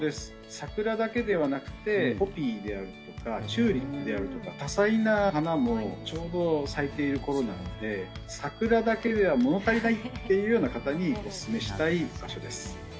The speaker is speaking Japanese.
桜だけではなくて、ポピーであるとかチューリップであるとか、多彩な花もちょうど咲いているころなので、桜だけでは物足りないっていうような方にお勧めしたい場所です。